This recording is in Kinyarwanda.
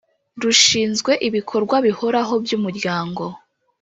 Rushinzwe ibikorwa bihoraho by umuryango